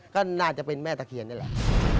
ก็น่าจะเป็นแม่ตะเคียนนี่แหละ